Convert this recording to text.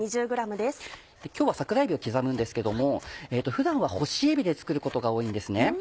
今日は桜えびを刻むんですけども普段は干しえびで作ることが多いんですね。